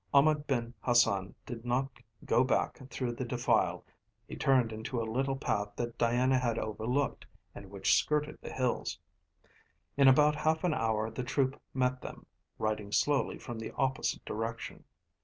Ahmed Ben Hassan did not go back through the defile, he turned into a little path that Diana had overlooked and which skirted the hills. In about half an hour the troop met them, riding slowly from the opposite direction.